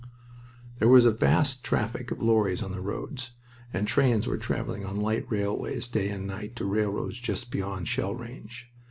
There was a vast traffic of lorries on the roads, and trains were traveling on light railways day and night to railroads just beyond shell range.